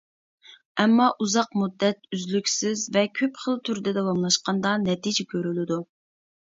ئەمما ئۇزاق مۇددەت، ئۈزلۈكسىز ۋە كۆپ خىل تۈردە داۋاملاشقاندا نەتىجە كۆرۈلىدۇ.